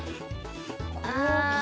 ああ。